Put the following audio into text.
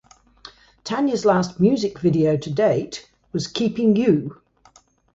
Tanya's last music video to date was "Keeping You".